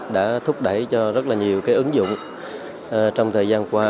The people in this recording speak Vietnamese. đã thúc đẩy cho rất là nhiều ứng dụng trong thời gian qua